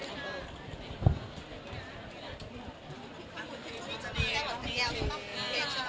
เอาอันนี้ด้วยค่ะ